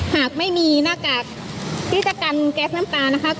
หากไม่มีหน้ากากที่จะกันแก๊สน้ำตานะคะ